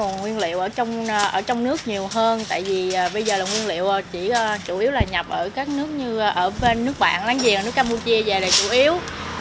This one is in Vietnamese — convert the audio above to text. nguyên liệu chủ yếu là nhập ở các nước như ở bên nước bạn láng giềng nước campuchia dài là chủ yếu